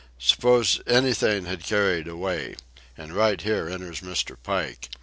Suppose anything had carried away? And right here enters Mr. Pike.